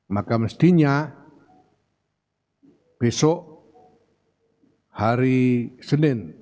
maka mestinya besok hari senin